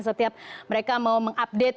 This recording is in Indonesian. setiap mereka mau mengupdate